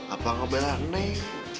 atau ngebela neng